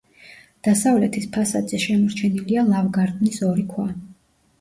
დასავლეთის ფასადზე შემორჩენილია ლავგარდნის ორი ქვა.